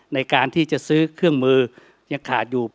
ในการที่จะซื้อเครื่องมือยังขาดอยู่